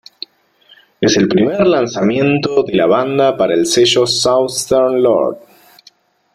Es el primer lanzamiento de la banda para el sello Southern Lord.